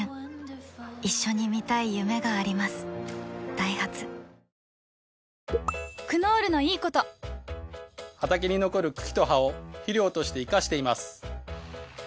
ダイハツ畑に残る茎と葉を肥料として活かしています。